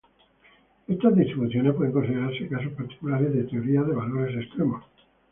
Estas distribuciones pueden considerarse casos particulares de Teoría de valores extremos.